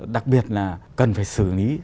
đặc biệt là cần phải xử lý